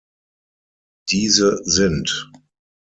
Diese sind